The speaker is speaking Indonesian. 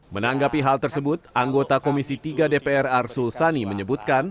menanggapi hal tersebut anggota komisi tiga dpr arsul sani menyebutkan